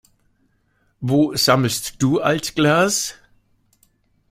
Wo sammelst du Altglas?